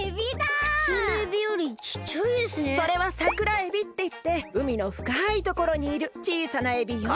それはサクラエビっていってうみのふかいところにいるちいさなエビよ。